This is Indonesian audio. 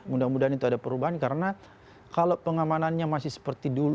mudah mudahan itu ada perubahan karena kalau pengamanannya masih seperti dulu